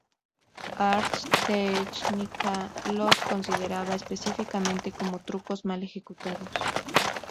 Ars Technica los consideraba específicamente como "trucos mal ejecutados".